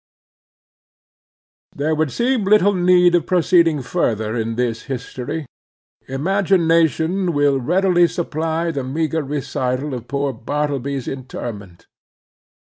There would seem little need for proceeding further in this history. Imagination will readily supply the meager recital of poor Bartleby's interment.